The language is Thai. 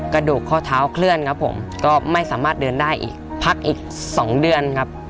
กระดูกข้อเท้าเคลื่อนครับผมก็ไม่สามารถเดินได้อีกพักอีก๒เดือนครับ